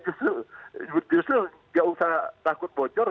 justru nggak usah takut bocor